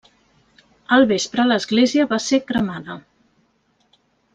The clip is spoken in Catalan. Al vespre l'església va ser cremada.